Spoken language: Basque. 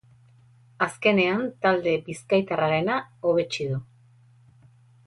Azkenean, talde bizkaitarraarena hobetsi du.